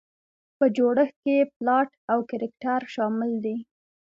په جوړښت کې یې پلاټ او کرکټر شامل دي.